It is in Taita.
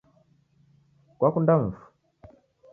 Kwakunda mufu?